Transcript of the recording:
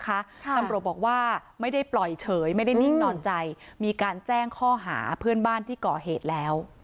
ตำรวจบอกว่าไม่ได้ปล่อยเฉยไม่ได้นิ่งนอนใจมีการแจ้งข้อหาเพื่อนบ้านที่ก่อเหตุแล้ว